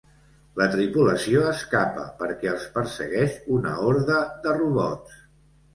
La tripulació escapa perquè els persegueix una horda de robots.